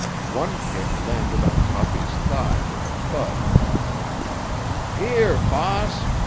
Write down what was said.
One kick landed on Toppy's thigh with a thud. "Here, bahass!"